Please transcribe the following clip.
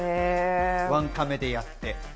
ワンカメでやって。